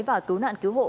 và cứu nạn cứu hộ